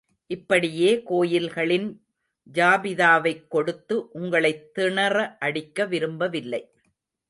இப்படியே கோயில்களின் ஜாபிதாவைக் கொடுத்து உங்களைத் திணற அடிக்க விரும்பவில்லை.